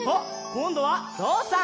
こんどはぞうさん！